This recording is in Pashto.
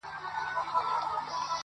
چي د تاج دي سو دښمن مرګ یې روا دی٫